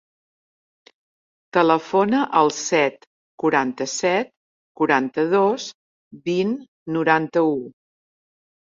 Telefona al set, quaranta-set, quaranta-dos, vint, noranta-u.